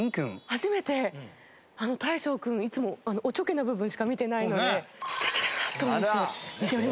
初めて大昇くんいつもおちょけな部分しか見てないので素敵だなあと思って見ておりました。